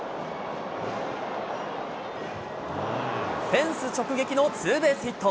フェンス直撃のツーベースヒット。